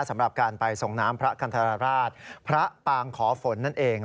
สำหรับการไปส่งน้ำพระคันธรราชพระปางขอฝนนั่นเอง